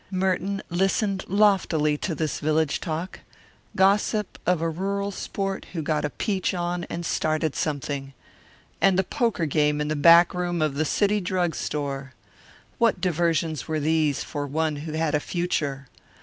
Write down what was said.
Merton listened loftily to this village talk, gossip of a rural sport who got a peach on and started something And the poker game in the back room of the City Drug Store! What diversions were these for one who had a future?